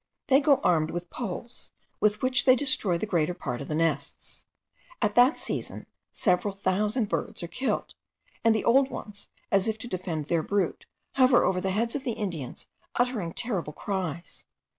They go armed with poles, with which they destroy the greater part of the nests. At that season several thousand birds are killed; and the old ones, as if to defend their brood, hover over the heads of the Indians, uttering terrible cries.